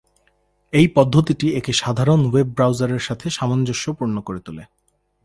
এই পদ্ধতিটি এটিকে সাধারণ ওয়েব ব্রাউজারের সাথে সামঞ্জস্যপূর্ণ করে তোলে।